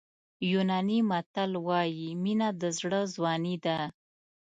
یوناني متل وایي مینه د زړه ځواني ده.